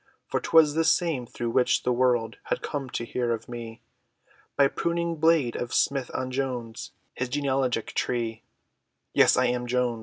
For 'twas the name, thro' which the world Had come to hear of me, By pruning blade of Smith, on Jones; His genealogic tree, "Yes I am Jones!"